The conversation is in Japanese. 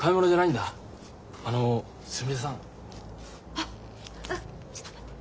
あっあちょっと待って。